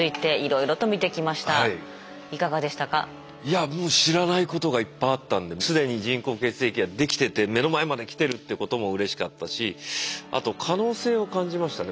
いやもう知らないことがいっぱいあったんで既に人工血液は出来てて目の前まで来てるってこともうれしかったしあと可能性を感じましたね。